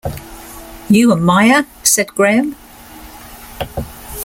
“You are Maya?” said Graham.